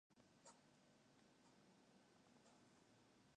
Dy dei is de sinne om kertier oer fiven opkommen.